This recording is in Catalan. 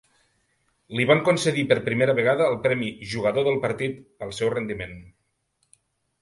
Li van concedir per primera vegada el premi "jugador del partit" pel seu rendiment.